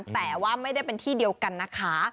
แต่ว่าไม่ได้เป็นที่เดียวกันนะคะ